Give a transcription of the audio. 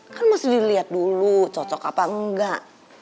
kan mesti dilihat dulu cocok apa enggak